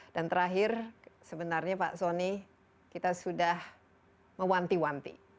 dan terakhir sebenarnya pak sonny kita sudah mewanti wanti